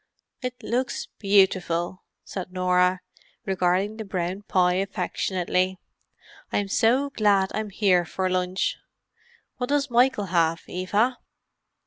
"It looks beautiful," said Norah, regarding the brown pie affectionately. "I'm so glad I'm here for lunch. What does Michael have, Eva?"